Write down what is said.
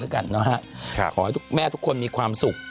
ขอให้แม่ทุกคนมีความสุข